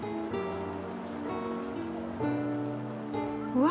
うわ！